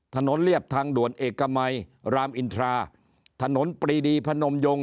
เรียบทางด่วนเอกมัยรามอินทราถนนปรีดีพนมยง